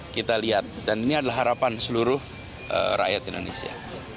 kita lihat dan ini adalah harapan seluruh rakyat indonesia